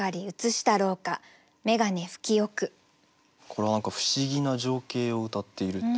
これは何か不思議な情景をうたっている。